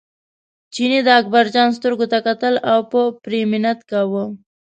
چیني د اکبرجان سترګو ته کتل او په پرې منت کاوه.